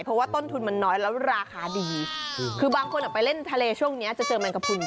เพราะว่าต้นทุนมันน้อยแล้วราคาดีคือบางคนออกไปเล่นทะเลช่วงเนี้ยจะเจอแมงกระพุน